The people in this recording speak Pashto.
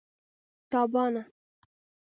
تابانه